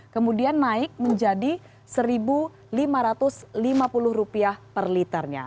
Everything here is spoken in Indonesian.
kemudian naik menjadi rp satu lima ratus lima puluh per liternya